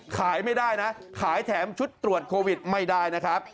ขายไม่ได้นะขายแถมชุดตรวจโควิดไม่ได้นะครับ